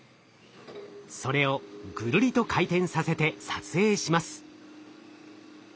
それをぐるりと回転させて撮影します。